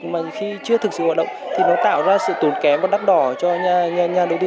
mà khi chưa thực sự hoạt động thì nó tạo ra sự tốn kém và đắt đỏ cho nhà đầu tư